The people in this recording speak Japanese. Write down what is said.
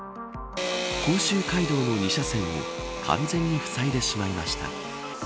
甲州街道の２車線を完全に塞いでしまいました。